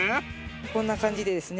こんな感じでですね